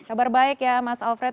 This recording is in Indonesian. kabar baik ya mas alfred